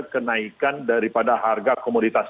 kenaikan daripada harga komoditas